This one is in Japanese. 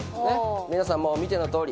皆さんもう見てのとおり。